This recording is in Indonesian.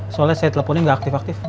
soalnya saya teleponin gak aktif aktif